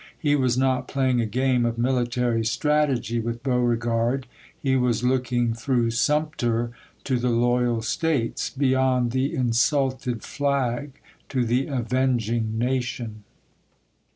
He was not playing a game of military strategy with Beauregard. He was look ing through Sumter to the loyal States; beyond the insulted flag to the avenging nation.